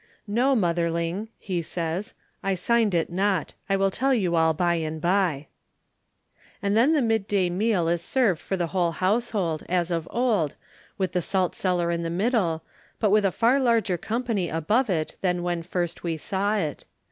"No, motherling," he says, "I signed it not; I will tell you all by and by." And then the mid day meal is served for the whole household, as of old, with the salt cellar in the middle, but with a far larger company above it than when first we saw it.